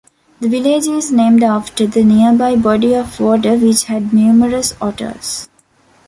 The village is named after the nearby body of water which had numerous otters.